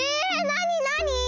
なになに？